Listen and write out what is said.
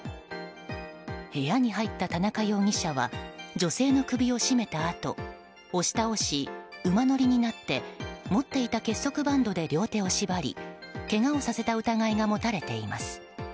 部屋に入った田中容疑者は女性の首を絞めたあと押し倒し、馬乗りになって持っていた結束バンドで両手を縛り、けがをさせた疑いが持たれています。